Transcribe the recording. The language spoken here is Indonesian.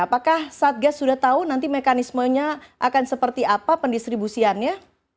apakah satgas sudah tahu nanti mekanismenya akan seperti apa pendistribusiannya